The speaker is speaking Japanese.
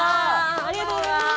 ありがとうございます。